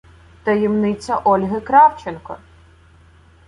Таємниця Ольги Кравченко